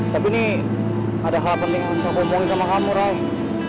tapi nih ada hal penting yang harus aku hubungi sama kamu raul